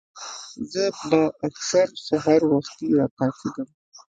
زۀ به اکثر سحر وختي راپاسېدم